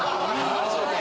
マジで？